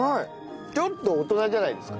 ちょっと大人じゃないですか？